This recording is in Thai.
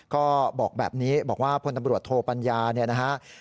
ก็บอกแบบนี้บอกว่าพลตำรวจโทปัญญาเนี่ยนะฮะ